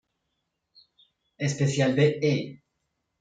Especial" de E!